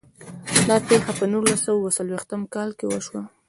دا پیښه په نولس سوه او اووه څلوېښتم کال کې وشوه.